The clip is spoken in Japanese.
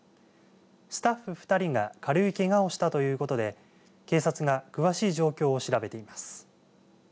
スタッフ２人が軽いけがをしたということで警察が詳しい状況を調べています。